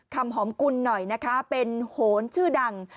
คำหอมกุลหน่อยนะคะเป็นโหนชื่อดัง